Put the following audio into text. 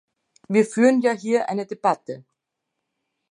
Wir führen ja hier eine Debatte.